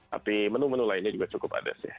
tapi menu menu lainnya juga cukup ada sih